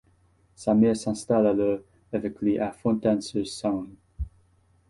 Sa mère s'installe alors avec lui à Fontaines-sur-Saône.